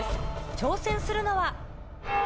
挑戦するのは。